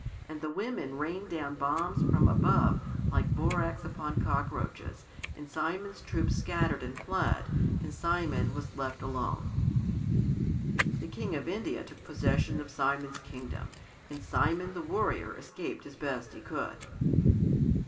And the women rained down bombs from above like borax upon cockroaches and Simon's troops scattered and fled, and Simon was left alone. The King of India took possession of Simon's kingdom, and Simon the Warrior escaped as best he could.